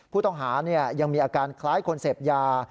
ผู้ต้องหายังมีอาการคล้ายคนเสพยา